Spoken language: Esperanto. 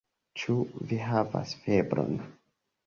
Ĉu vi havas febron?